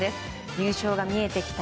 優勝が見えてきた